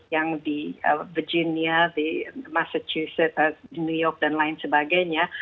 yang di beginia di massachuset new york dan lain sebagainya